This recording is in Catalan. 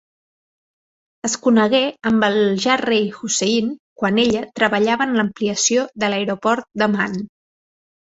Es conegué amb el ja rei Hussein quan ella treballava en l'ampliació de l'aeroport d'Amman.